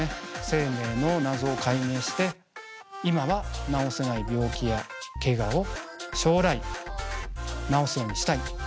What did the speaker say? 生命の謎を解明して今は治せない病気やけがを将来治すようにしたい。